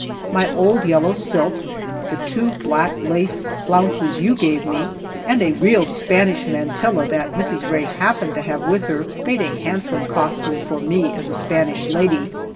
My old yellow silk, the two black lace flounces you gave me, and a real Spanish mantilla that Mrs. Rae happened to have with her, made a handsome costume for me as a Spanish lady.